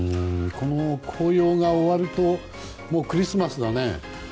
この紅葉が終わるとクリスマスだね。